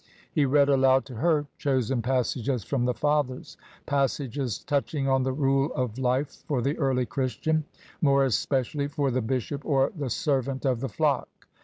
He read aloud to her chosen passages from the Fathers — ^pas sages touching on the rule of life for the early Christian — more especially for the bishop or the servant of the flock.